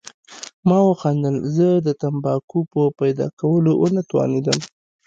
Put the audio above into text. ما وخندل، زه د تمباکو په پیدا کولو ونه توانېدم.